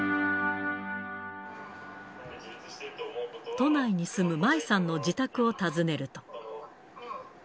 都内に住む舞さんの自宅を訪ねると。